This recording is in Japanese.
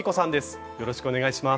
よろしくお願いします。